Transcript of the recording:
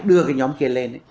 đưa nhóm kia lên